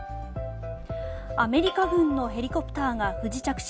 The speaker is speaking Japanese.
アメリカ軍のヘリコプターが不時着し